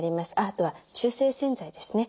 あとは中性洗剤ですね。